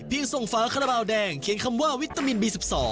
เพียงส่งฝากระบาวแดงเขียนคำว่าวิตามินบี๑๒